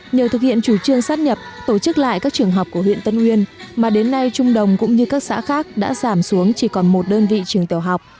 nhờ thực hiện chủ trương sát nhập tổ chức lại các trường học của huyện tân uyên mà đến nay trung đồng cũng như các xã khác đã giảm xuống chỉ còn một đơn vị trường tiểu học